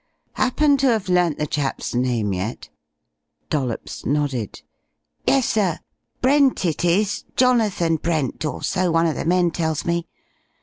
Happen to have learnt the chap's name yet?" Dollops nodded. "Yessir. Brent it is, Jonathan Brent, or so one of the men tells me.